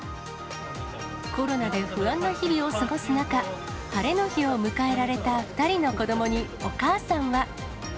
コロナで不安な日々を過ごす中、晴れの日を迎えられた２人の子どもにお母さんは。